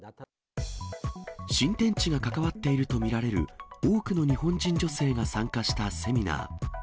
新天地が関わっていると見られる多くの日本人女性が参加したセミナー。